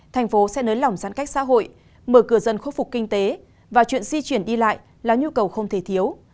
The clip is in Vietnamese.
thành phố sẽ nới lỏng giãn cách xã hội mở cửa dân khắc phục kinh tế và chuyện di chuyển đi lại là nhu cầu không thể thiếu